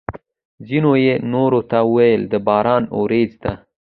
ځینو یې نورو ته ویل: د باران ورېځ ده!